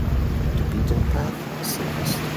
The beaten path is safest.